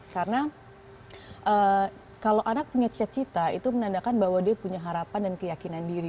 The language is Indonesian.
karena kalau anak punya cita cita itu menandakan bahwa dia punya harapan dan keyakinan diri